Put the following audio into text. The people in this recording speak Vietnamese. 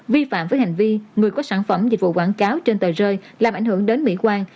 vi phạm với hành vi người có sản phẩm dịch vụ quảng cáo trên tờ rơi làm ảnh hưởng đến mỹ quan